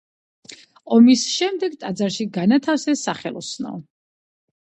ომის შემდეგ ტაძარში განათავსეს სახელოსნო.